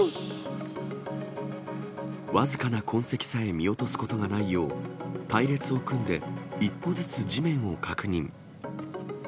僅かな痕跡さえ見落とすことがないよう、隊列を組んで一歩ずつ、地面を確認。